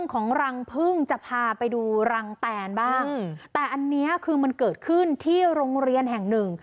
ของรังพึ่งจะพาไปดูรังแตนบ้างแต่อันนี้คือมันเกิดขึ้นที่โรงเรียนแห่งหนึ่ง